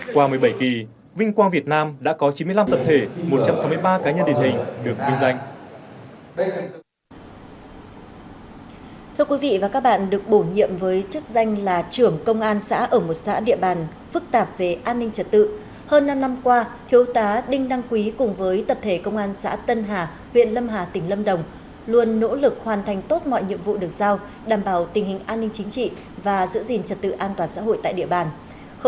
qua một mươi bảy kỳ vinh quang việt nam đã có chín mươi năm tập thể một trăm sáu mươi ba cá nhân định hình được vinh danh